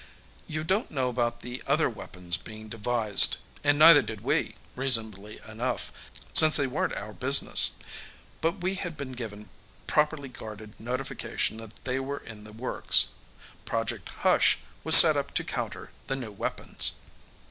You don't know about the other weapons being devised and neither did we, reasonably enough, since they weren't our business but we had been given properly guarded notification that they were in the works. Project Hush was set up to counter the new weapons.